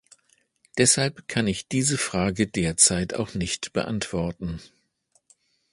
Deshalb kann ich diese Frage derzeit auch nicht beantworten.